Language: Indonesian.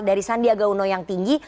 dari sandiaga uno yang tinggi